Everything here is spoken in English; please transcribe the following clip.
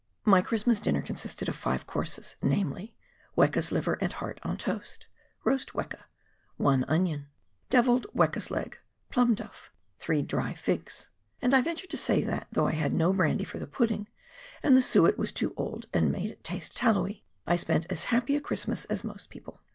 My Christmas dinner consisted of five courses, namely — "Weka's liver and heart on toast — Roast weka — One onion — Devilled weka's leg — Plum duff — Three dry figs ; and I A'enture to say that, though I had no brandy for the pudding, and the suet was too old and made it taste tallowy, I spent as happy a Christmas as most people.